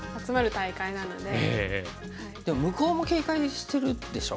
でも向こうも警戒してるでしょ？